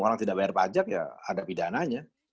orang tidak bayar pajak ya ada pidananya